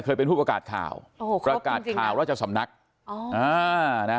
เคยเป็นผู้ประกาศข่าวโอ้โหประกาศข่าวราชสำนักอ๋ออ่านะ